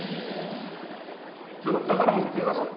ちょっと中の方見てみますか？